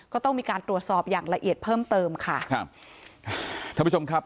ก็ต้องมีการตรวจสอบอย่างละเอียดเพิ่มเติมค่ะครับท่านผู้ชมครับ